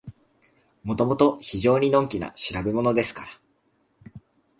もともと非常にのんきな調べものですから、